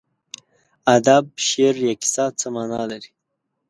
ادب، شعر یا کیسه څه مانا لري.